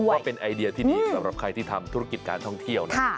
ว่าเป็นไอเดียที่ดีสำหรับใครที่ทำธุรกิจการท่องเที่ยวนะ